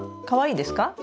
かわいいですか？